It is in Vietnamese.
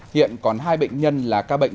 hiện còn hai bệnh nhân là ca bệnh